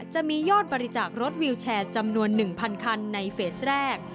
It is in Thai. จะมียอดบริจาครถวิวแชร์จำนวน๑๐๐คันในเฟสแรก